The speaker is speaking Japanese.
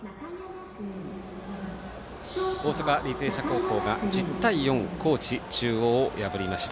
大阪、履正社高校が１０対４高知中央を破りました。